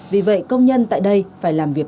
vì vậy công nhân tại đây phải làm việc